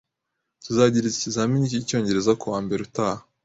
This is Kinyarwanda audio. Tuzagira ikizamini cyicyongereza kuwa mbere utaha